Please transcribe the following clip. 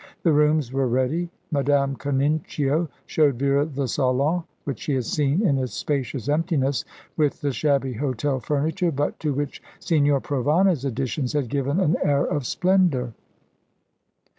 The rooms were ready. Madame Canincio showed Vera the salon, which she had seen in its spacious emptiness, with the shabby hotel furniture, but to which Signor Provana's additions had given an air of splendour.